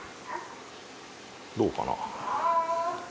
どうかな？